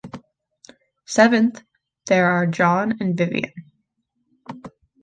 Seventh, there are John and Vivian.